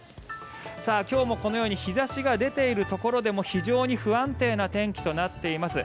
今日もこのように日差しが出ているところでも非常に不安定な天気となっています。